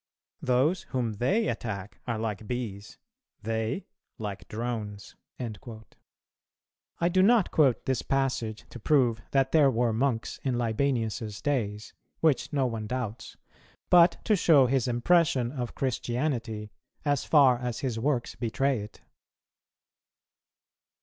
Those whom they attack "are like bees, they like drones." I do not quote this passage to prove that there were monks in Libanius's days, which no one doubts, but to show his impression of Christianity, as far as his works betray it.